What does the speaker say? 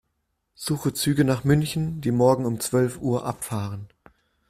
Suche Züge nach München, die morgen um zwölf Uhr abfahren.